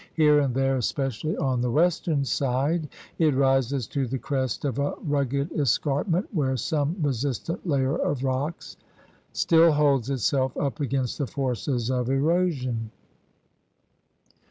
Here and there, especially on the western side, it rises to the crest of a rugged es carpment where some resistant layer of rocks still holds itself up against the forces of erosion.